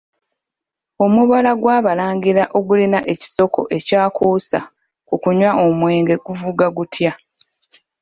Omubala gw'Abalangira ogulina ekisoko ekyakuusa ku kunywa omwenge guvuga gutya?